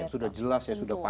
sudah jelas ya sudah pas